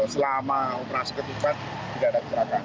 selama operasi ketupat tidak ada gerakan